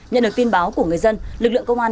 nhận được tin báo của người dân lực lượng công an